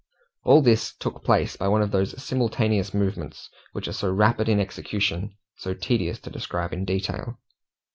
All this took place by one of those simultaneous movements which are so rapid in execution, so tedious to describe in detail.